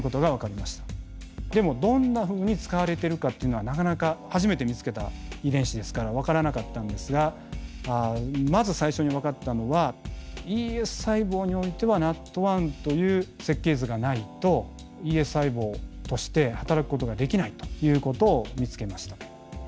でもどんなふうに使われているかっていうのはなかなか初めて見つけた遺伝子ですから分からなかったんですがまず最初に分かったのはＥＳ細胞においてはＮＡＴ１という設計図がないとＥＳ細胞として働くことができないということを見つけました。